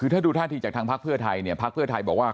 ถ้าดูท่านที่จากทางพรรคเพื่อไทยพรรคเพื่อไทยบอกว่า